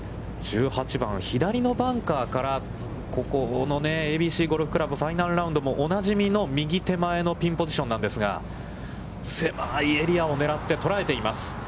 １８番、左のバンカーからのここのＡＢＣゴルフ倶楽部、おなじみの右手前のピンポジションなんですが、狭いエリアを狙って捉えています。